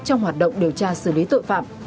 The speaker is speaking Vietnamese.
trong hoạt động điều tra xử lý tội phạm